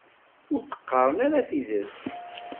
Ur d-qqaren ara tidet.